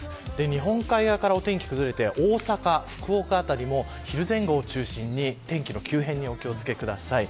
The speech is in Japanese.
日本海側からお天気崩れて大阪、福岡辺りも昼前後を中心に、天気の急変にお気を付けください。